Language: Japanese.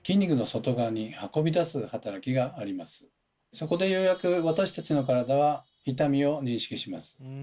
そこでようやく私たちの体は痛みを認識します。